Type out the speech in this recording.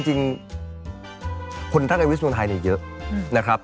จริงคนท่านไอวิสนุนไทยเนี่ยเยอะนะครับ